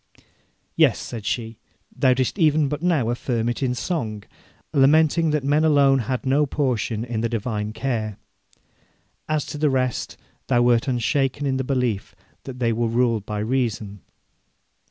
'Yes,' said she; 'thou didst even but now affirm it in song, lamenting that men alone had no portion in the divine care. As to the rest, thou wert unshaken in the belief that they were ruled by reason.